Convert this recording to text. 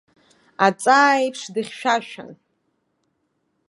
Аҵаа еиԥш дыхьшәашәан.